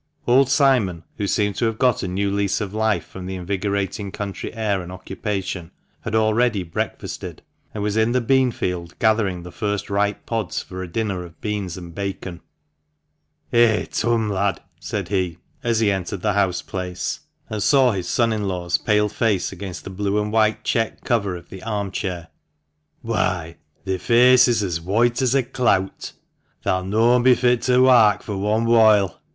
Old Simon, who seemed to have got a new lease of life from the invigorating country air and occupation, had already breakfasted, and was in the bean field gathering the first ripe pods for a dinner of beans and bacon. "Eh, Turn, lad," said he, as he entered the house place, and saw his son in law's pale face against the blue and white check cover of the arm chair, " whoi, thi feace is as whoite as a clout ! Tha'll noan be fit to wark fur one whoile.